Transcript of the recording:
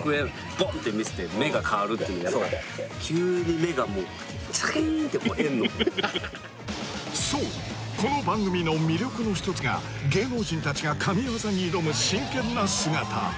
ボンって見せて目が変わるっていうの急に目がチャキーンって円のそうこの番組の魅力の一つが芸能人たちが神業に挑む真剣な姿